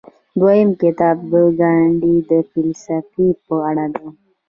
دویم کتاب د ګاندي د فلسفې په اړه دی.